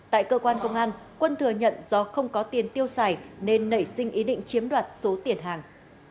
tại cơ quan công an quân thừa nhận do không có tiền tiêu xài nên nảy sinh ý định chiếm đoạt số tiền hàng